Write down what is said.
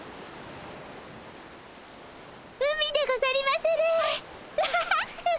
海でござりまする！ハハハ！